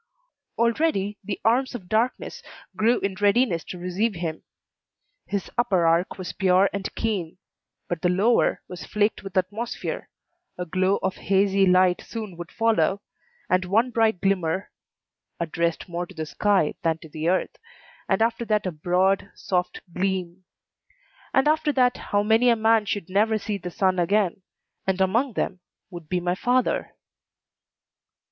Already the arms of darkness grew in readiness to receive him: his upper arc was pure and keen, but the lower was flaked with atmosphere; a glow of hazy light soon would follow, and one bright glimmer (addressed more to the sky than to the earth), and after that a broad, soft gleam; and after that how many a man should never see the sun again, and among them would be my father.